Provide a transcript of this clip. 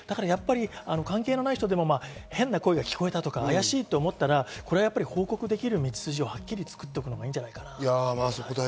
関係のない人でも、変な声が聞こえたとか、あやしいと思ったら報告できる道筋をはっきり作っておくほうがいいと思う。